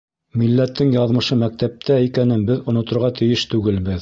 Милләттең яҙмышы мәктәптә икәнен беҙ оноторға тейеш түгелбеҙ.